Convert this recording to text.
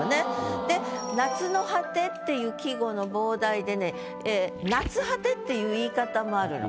で「夏の果」っていう季語の傍題でね「夏果」っていう言い方もあるの。